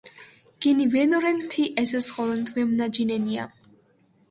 გინი ვენორენ თი ეზოს ღორონთ ვემნაჯინენია